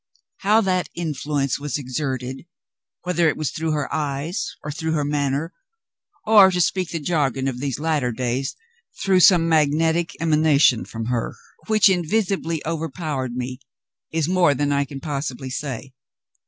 How that influence was exerted whether it was through her eyes, or through her manner, or, to speak the jargon of these latter days, through some "magnetic emanation" from her, which invisibly overpowered me is more than I can possibly say.